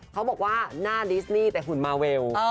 เขาบอกว่าหน้าดิสนี่แต่หุ่นมาเวล